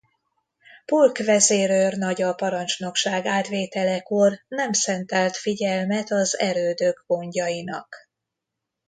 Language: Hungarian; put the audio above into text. Polk vezérőrnagy a parancsnokság átvételekor nem szentelt figyelmet az erődök gondjainak.